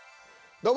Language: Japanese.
どうも！